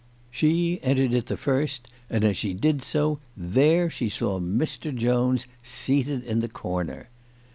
She entered it the first, and as she did so there she saw Mr. Jones seated in the corner